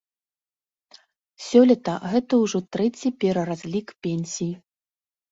Сёлета гэта ўжо трэці пераразлік пенсій.